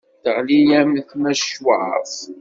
Teɣli-yam tmacwart.